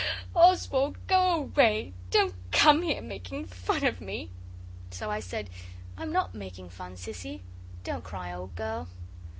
Oswald, go away; don't come here making fun of me!' So I said, 'I'm not making fun, Sissy; don't cry, old girl.